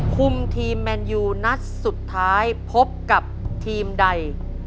คุมทีมแมนยูนัดสุดท้ายพบกับทีมใด